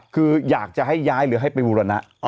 คืออยากจะให้ย้ายหรือให้ไปบูรณะ